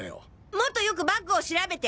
もっとよくバッグを調べて！